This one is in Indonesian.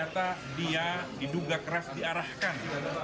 tidak keras diarahkan